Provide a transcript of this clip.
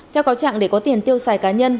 theo cáo trạng để có tiền tiêu xài cá nhân